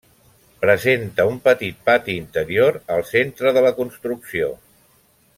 Presenta un petit pati interior al centre de la construcció.